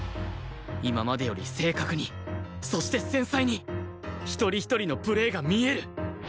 今までより正確にそして繊細に一人一人のプレーが見える！